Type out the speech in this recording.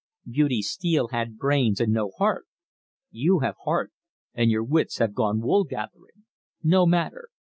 "Beauty Steele had brains and no heart. You have heart, and your wits have gone wool gathering. No matter!